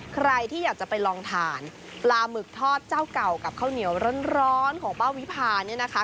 ใครที่อยากจะไปลองทานปลาหมึกทอดเจ้าเก่ากับข้าวเหนียวร้อนของป้าวิพาเนี่ยนะคะ